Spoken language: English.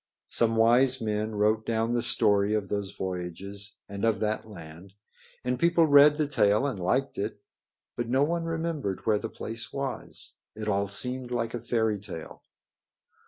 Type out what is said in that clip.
Some wise men wrote down the story of those voyages and of that land, and people read the tale and liked it, but no one remembered where the place was. It all seemed like a fairy tale.